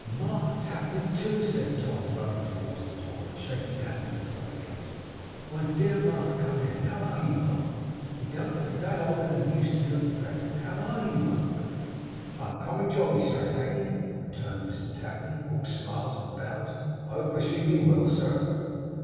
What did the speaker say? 'Mark Tapley, too!' said Tom, running towards the door, and shaking hands with somebody else. 'My dear Mark, come in. How are you, Mark? He don't look a day older than he used to do at the Dragon. How ARE you, Mark?' 'Uncommonly jolly, sir, thank'ee,' returned Mr Tapley, all smiles and bows. 'I hope I see you well, sir.